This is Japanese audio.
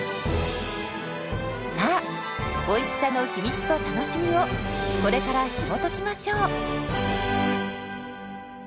さあおいしさの秘密と楽しみをこれからひもときましょう！